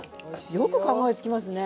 よく考えつきますね。